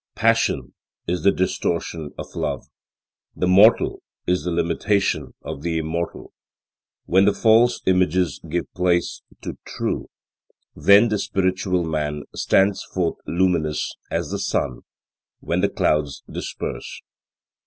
Passion is the distortion of love. The mortal is the limitation of the immortal. When these false images give place to true, then the spiritual man stands forth luminous, as the sun, when the clouds disperse.